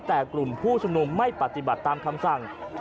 แต่กลุ่มผู้ชุมนุมไม่ปฏิบัติตามคำสั่ง